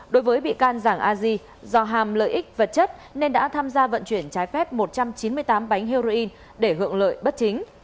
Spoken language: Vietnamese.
đối với bị can giảng a di do hàm lợi ích vật chất nên đã tham gia vận chuyển trái phép một trăm chín mươi tám bánh heroin để hưởng lợi bất chính